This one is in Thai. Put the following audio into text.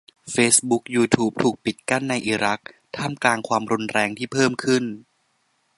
เฟซบุ๊ก ยูทูบ ถูกปิดกั้นในอิรัก ท่ามกลางความรุนแรงที่เพิ่มขึ้น